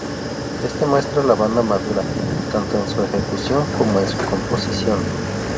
Este muestra la banda madura, tanto en su ejecución como en su composición.